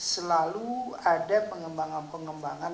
selalu ada pengembangan pengembangan